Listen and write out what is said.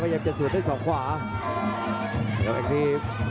พยายามจะไถ่หน้านี่ครับการต้องเตือนเลยครับ